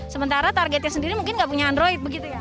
sementara targetnya sendiri mungkin nggak punya android begitu ya